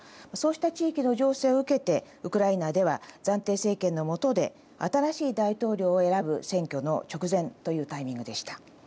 そうした地域の情勢を受けてウクライナでは暫定政権のもとで新しい大統領を選ぶ選挙の直前というタイミングでした。